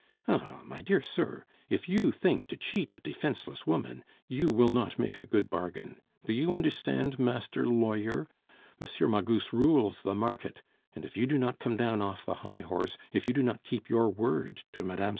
Ah! my dear sir, if you think to cheat a defenceless woman, you will not make a good bargain! Do you understand, master lawyer? M. Magus rules the market, and if you do not come down off the high horse, if you do not keep your word to Mme.